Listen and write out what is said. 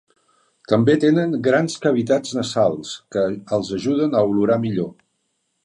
També tenen grans cavitats nasals, que els ajuden a olorar millor.